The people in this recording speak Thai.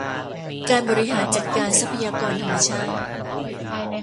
การบริหารจัดการทรัพยากรธรรมชาติ